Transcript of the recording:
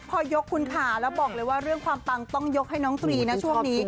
พอยกคุณค่ะแล้วบอกเลยว่าเรื่องความปังต้องยกให้น้องตรีนะช่วงนี้